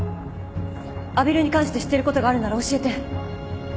阿比留に関して知ってることがあるなら教えて。